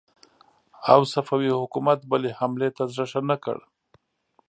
او صفوي حکومت بلې حملې ته زړه ښه نه کړ.